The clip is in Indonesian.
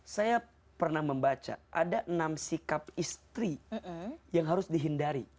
saya pernah membaca ada enam sikap istri yang harus dihindari